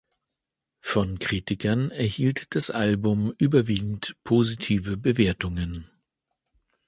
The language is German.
Von Kritikern erhielt das Album überwiegend positive Bewertungen.